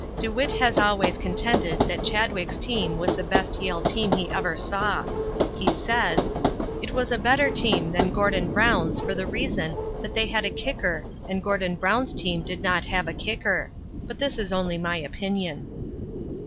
DeWitt has always contended that Chadwick's team was the best Yale team he ever saw. He says: "It was a better team than Gordon Brown's for the reason that they had a kicker and Gordon Brown's team did not have a kicker. But this is only my opinion."